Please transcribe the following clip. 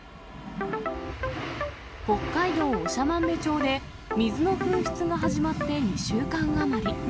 北海道長万部町で、水の噴出が始まって２週間余り。